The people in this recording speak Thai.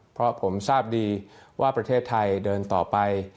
เพราะผมทราบดีว่าประเทศไทยเดินต่อไป